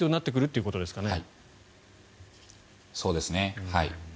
そうですね。